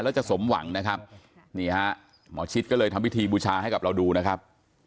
แล้วจะสมหวังนะครับนี่ฮะหมอชิดก็เลยทำพิธีบูชาให้กับเราดูนะครับ